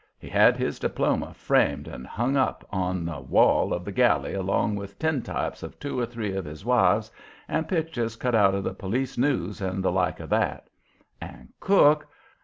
He had his diploma framed and hung up on the wall of the galley along with tintypes of two or three of his wives, and pictures cut out of the Police News, and the like of that. And cook!